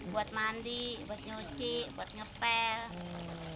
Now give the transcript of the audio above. buat mandi buat nyuci buat ngepel